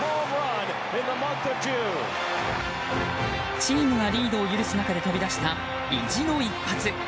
チームがリードを許す中で飛び出した意地の一発。